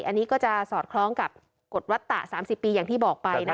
อันนี้ก็จะสอดคล้องกับกฎวัตตะ๓๐ปีอย่างที่บอกไปนะคะ